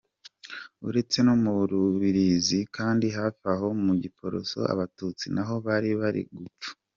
Uretse no mu rubirizi kandi, hafi aho mu giporoso abatutsi naho bari bari gupfa.